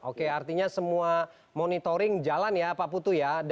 oke artinya semua monitoring jalan ya pak putu ya